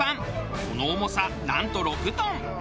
その重さなんと６トン。